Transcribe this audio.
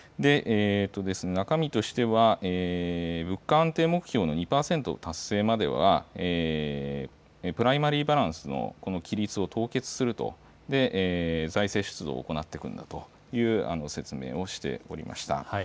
中身としては物価安定目標の２％達成まではプライマリーバランスのこの規律を凍結すると財政出動を行っていくという説明をしておりました。